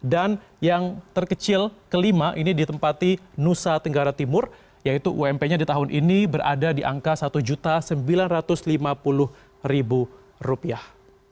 dan yang terkecil kelima ini ditempati nusa tenggara timur yaitu ump nya di tahun ini berada di angka satu sembilan ratus lima puluh rupiah